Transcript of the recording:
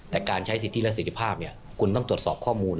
แต่การใช้สิทธิและสิทธิภาพคุณต้องตรวจสอบข้อมูล